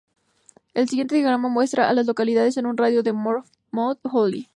El siguiente diagrama muestra a las localidades en un radio de de Mount Holly.